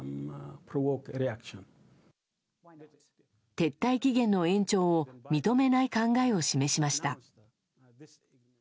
撤退期限の延長を認めない考えを示しました。